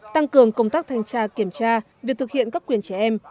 tăng cường công tác thanh tra kiểm tra việc thực hiện các quyền trẻ em